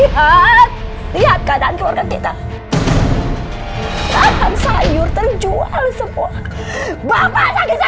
bapak terlalu percaya sama bukitulian